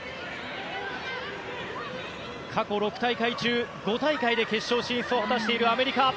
過去６大会中５大会で決勝進出を果たしているアメリカ。